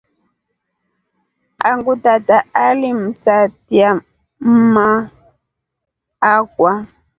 Angu tata alimsatia mma akwa.